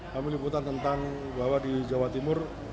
kami liputan tentang bahwa di jawa timur